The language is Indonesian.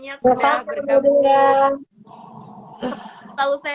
takut sakit einem undur perlahan dahulu sehat ya dua